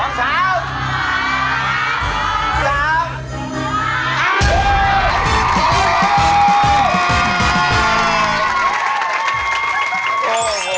โอ้โห